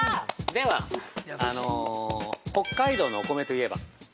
では、北海道のお米といえば。